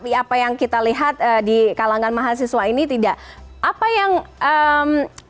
tapi apa yang kita lihat di kalangan terpelajar yang well educated akan lebih bisa mencerna apakah ini make sense atau tidak